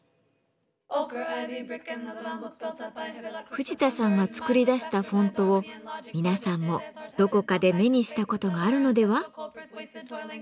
藤田さんが作り出したフォントを皆さんもどこかで目にした事があるのでは？